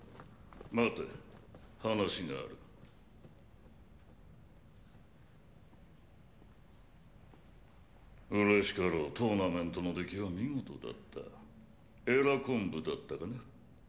待て話がある嬉しかろうトーナメントの出来は見事だった鰓昆布だったかな？